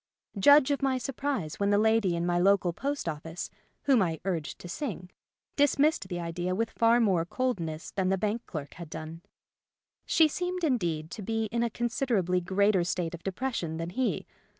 Judge of my surprise when the lady in my local post office (whom I urged to sing) dismissed the idea with far more coldness than the bank clerk had done. She seemed, indeed, to be in a consider ably greater state of depression than he.